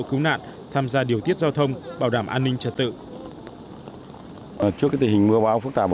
cứu nạn tham gia điều tiết giao thông bảo đảm an ninh trật tự